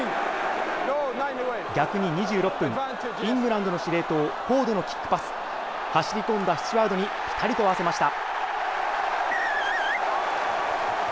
逆に２６分、イングランドの司令塔、フォードのキックパス、走り込んだスチュワードにぴたりと合わせました。